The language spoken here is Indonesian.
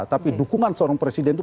tapi dukungan seorang presiden itu